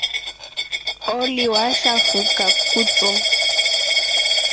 Oli washafuka kutro.